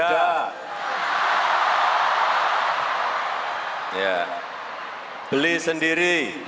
akhirnya kembali ke kabupaten